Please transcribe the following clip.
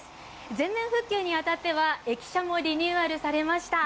全面復旧に当たっては駅舎もリニューアルされました。